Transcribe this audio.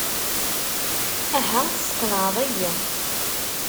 Aha, tesqenɛeḍ-iyi.